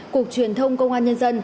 cục truyền thông công an nhân dân